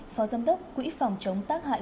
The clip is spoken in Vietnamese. phó giám đốc quỹ phòng chống tác hại